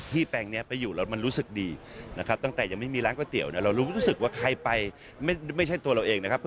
แปลงนี้ไปอยู่แล้วมันรู้สึกดีนะครับตั้งแต่ยังไม่มีร้านก๋วเนี่ยเรารู้สึกว่าใครไปไม่ใช่ตัวเราเองนะครับ